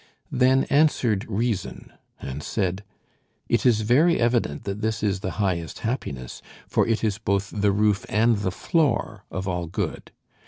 Then answered Reason, and said: It is very evident that this is the highest happiness, for it is both the roof and the floor of all good.